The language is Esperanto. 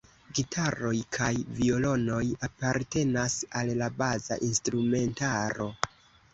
Gitaroj kaj violonoj apartenas al la baza instrumentaro.